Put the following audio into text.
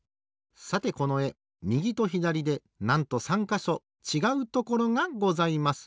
さてこのえみぎとひだりでなんと３かしょちがうところがございます。